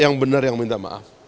yang benar yang minta maaf